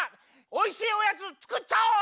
おいしいおやつつくっちゃおう！